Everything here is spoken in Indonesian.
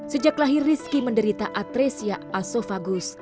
sejak lahir rizky menderita atresia asofagus